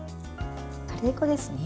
カレー粉ですね。